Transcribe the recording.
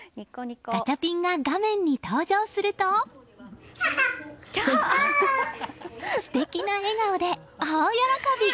ガチャピンが画面に登場すると素敵な笑顔で大喜び！